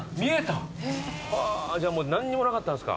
じゃあ何にもなかったんですか。